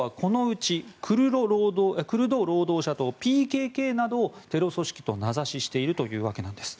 トルコはこのうちクルド労働者党・ＰＫＫなどをテロ組織と名指ししているわけです。